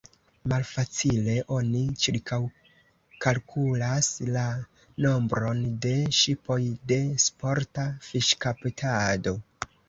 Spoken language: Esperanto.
Malfacile oni ĉirkaŭkalkulas la nombron de ŝipoj de sporta fiŝkaptado.